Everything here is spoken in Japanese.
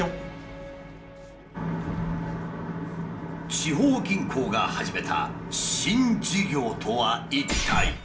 地方銀行が始めた新事業とは一体。